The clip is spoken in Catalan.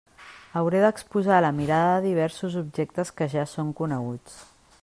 Hauré d'exposar a la mirada diversos objectes que ja són coneguts.